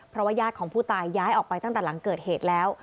เพราะว่าญาติของผู้ตายย้ายออกไปตั้งแต่หลังเกิดเหตุแล้ว